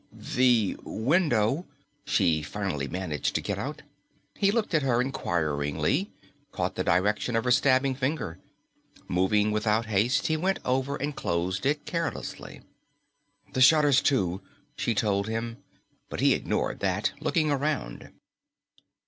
"The window," she finally managed to get out. He looked at her inquiringly, caught the direction of her stabbing finger. Moving without haste, he went over and closed it carelessly. "The shutters, too," she told him, but he ignored that, looking around.